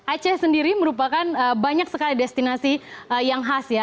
aceh sendiri merupakan banyak sekali destinasi yang khas ya